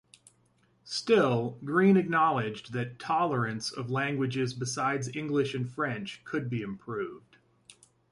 Still, Green acknowledged that "tolerance" of languages besides English and French could be improved.